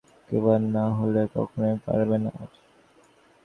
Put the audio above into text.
এখনই বের না হলে, কখনোই পারবে না আর।